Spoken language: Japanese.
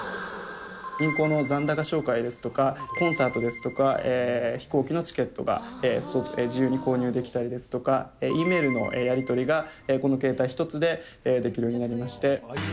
銀行の残高照会ですとか、コンサートですとか飛行機のチケットが、自由に購入できたりですとか、Ｅメールのやり取りがこの携帯１つでできるようになりまして。